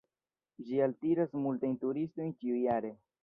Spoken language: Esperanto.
Ĝi altiras multajn turistojn ĉiujare.